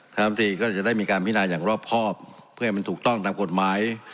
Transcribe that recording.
น้ำตรีก็จะได้มีการพินาอย่างรอบครอบเพื่อให้มันถูกต้องตามกฎหมาย